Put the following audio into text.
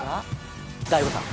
大悟さん